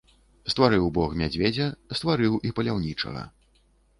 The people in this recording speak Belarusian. Стварыў бог мядзведзя, стварыў і паляўнічага.